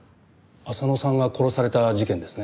浅野さんが殺された事件ですね？